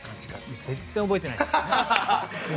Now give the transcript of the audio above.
全然覚えてないです。